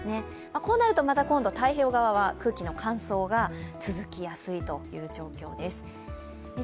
こうなると、また今度太平洋側は空気の乾燥が続きやすいという状況です。